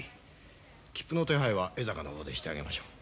切符の手配は江坂の方でしてあげましょう。